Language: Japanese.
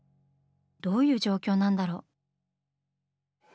どういう状況なんだろう？